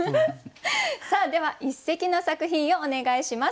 さあでは一席の作品をお願いします。